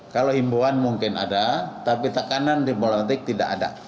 kalau himbuan mungkin ada tapi tekanan diplomatik tidak ada